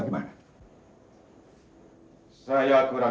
kakade mereka menjadi penjara yang berdotoran